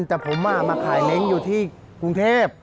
แต่ผมมาขายเล้งอยู่ที่กรุงเทพ